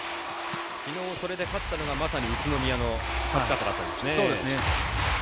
きのう、それで勝ったのがまさに宇都宮の勝ち方だったんですね。